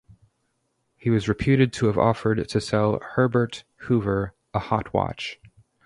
He was reputed to have offered to sell Herbert Hoover a "hot" watch.